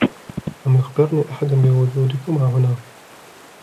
لم يخبرني أحد بوجودكما هنا.